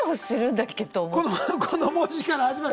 この文字から始まる。